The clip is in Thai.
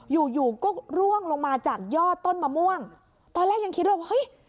อยู่อยู่ก็ร่วงลงมาจากยอดต้นมะม่วงตอนแรกยังคิดว่าเฮ้ย